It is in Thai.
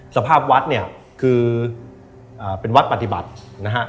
สภาพวัดเนี่ยคือเป็นวัดปฏิบัตินะฮะ